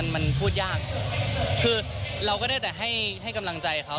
มันพูดยากคือเราก็ได้แต่ให้กำลังใจเขา